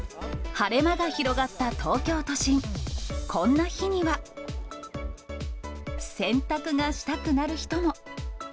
晴れ間が広がった東京都心、こんな日には、洗濯がしたくなる人も。